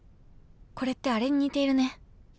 これってあれに似ているね